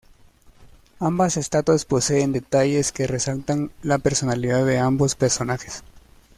Ambas estatuas poseen detalles que resaltan la personalidad de ambos personajes.